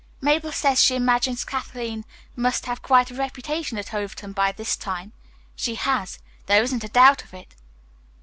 Mabel says she imagines Kathleen must have quite a reputation at Overton by this time. She has. There isn't a doubt of it."